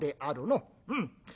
うん。